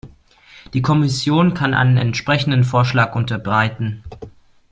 Die Kommission kann einen entsprechenden Vorschlag unterbreiten.